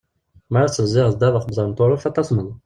Mi ara tettnezziheḍ ddabex n uḍar n Turuft ad tasmeḍ.